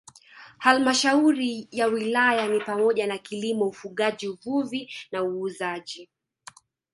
Halmashauri ya Wilaya ni pamoja na kilimo ufugaji uvuvi na uuzaji